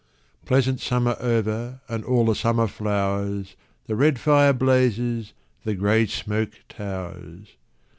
Pleasant summer over And all the summer flowers, The red fire blazes, The grey smoke towers.